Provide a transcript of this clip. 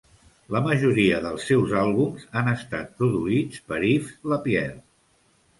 La majoria dels seus àlbums han estat produïts per Yves Lapierre.